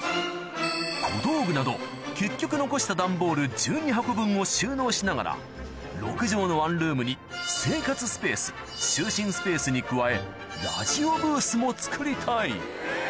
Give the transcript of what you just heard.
小道具など結局残した段ボール１２箱分を収納しながら６帖のワンルームに生活スペース就寝スペースに加えラジオブースもつくりたい